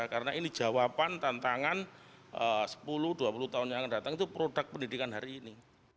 karena ini jawaban tantangan sepuluh dua puluh tahun yang datang itu produk pendidikan hari ini